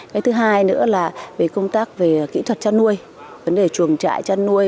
cái thứ hai nữa là về công tác về kỹ thuật chăn nuôi vấn đề chuồng trại chăn nuôi